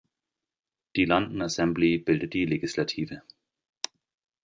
Die London Assembly bildet die Legislative.